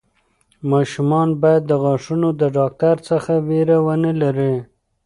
ماشومان باید د غاښونو د ډاکټر څخه وېره ونه لري.